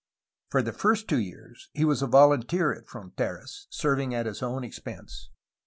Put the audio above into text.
For the first two years he was a volunteer at Fronteras, serving at his own expense.